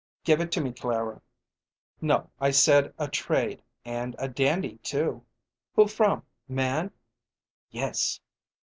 "Give it to me, Clara." "No, I said a trade and a dandy, too!" "Who from man?" "Yes."